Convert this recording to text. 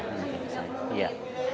mudah apa prosesnya